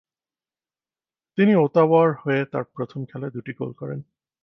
তিনি ওতাওয়ার হয়ে তার প্রথম খেলায় দুটি গোল করেন।